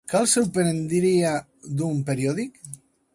Què el sorprendria, d'un periòdic?